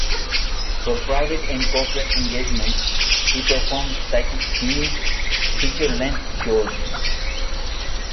For private and corporate engagements, he performs psychic-themed feature-length shows.